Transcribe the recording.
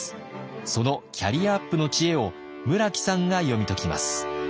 そのキャリアアップの知恵を村木さんが読み解きます。